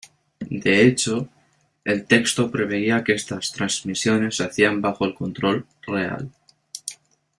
De hecho, el texto preveía que estas trasmisiones se hicieran bajo el control real.